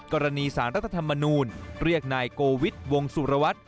กรณีสารรัฐธรรมนูลเรียกนายโกวิทย์วงสุรวัตร